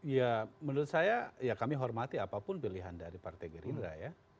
ya menurut saya ya kami hormati apapun pilihan dari partai gerindra ya